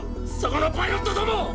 そこのパイロットども！